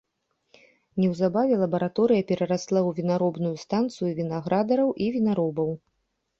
Неўзабаве лабараторыя перарасла ў вінаробную станцыю вінаградараў і вінаробаў.